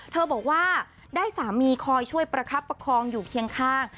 บอกว่าได้สามีคอยช่วยประคับประคองอยู่เคียงข้าง